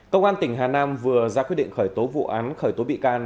công an tỉnh hà nam vừa ra quyết định khởi tố vụ án khởi tố bị can